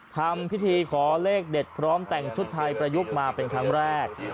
ทำพิธีขอเลขเด็ดพร้อมแต่งชุดไทยประยุกต์มาเป็นครั้งแรก